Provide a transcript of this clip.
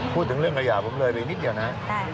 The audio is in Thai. พูดถึงเรื่องขยะผมเลยไปนิดเดียวนะครับ